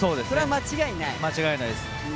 間違いないです。